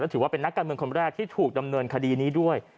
ถือว่าเป็นนักการเมืองคนแรกที่ถูกดำเนินคดีนี้ด้วย